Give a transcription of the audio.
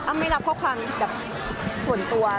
อ้ำไม่รับข้อความส่วนตัว